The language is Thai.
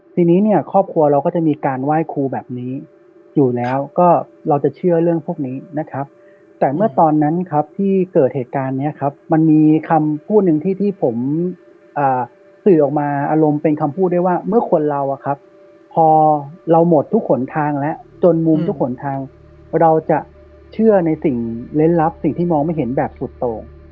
ทีนี้เนี่ยครอบครัวเราก็จะมีการไหว้ครูแบบนี้อยู่แล้วก็เราจะเชื่อเรื่องพวกนี้นะครับแต่เมื่อตอนนั้นครับที่เกิดเหตุการณ์เนี้ยครับมันมีคำพูดหนึ่งที่ผมสื่อออกมาอารมณ์เป็นคำพูดได้ว่าเมื่อคนเราอะครับพอเราหมดทุกขนทางแล้วจนมุมทุกขนทางเราจะเชื่อในสิ่งเล่นลับสิ่งที่มองไม่เห็นแบบสุดตรง